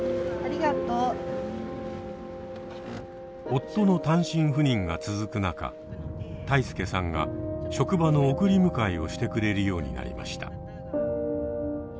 夫の単身赴任が続く中泰亮さんが職場の送り迎えをしてくれるようになりました。